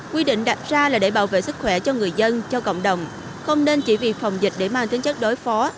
quy định đặt ra là để bảo vệ sức khỏe cho người dân cho cộng đồng không nên chỉ vì phòng dịch để mang tính chất đối phó